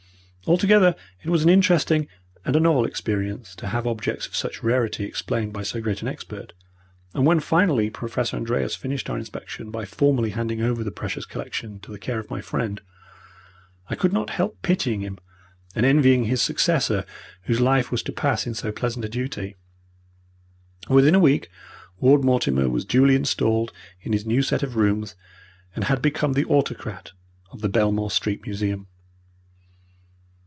Altogether it was an interesting and a novel experience to have objects of such rarity explained by so great an expert; and when, finally, Professor Andreas finished our inspection by formally handing over the precious collection to the care of my friend, I could not help pitying him and envying his successor whose life was to pass in so pleasant a duty. Within a week, Ward Mortimer was duly installed in his new set of rooms, and had become the autocrat of the Belmore Street Museum.